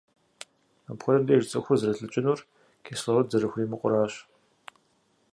Апхуэдэм деж цӏыхур зэрылӏыкӏынур - кислород зэрыхуримыкъуращ.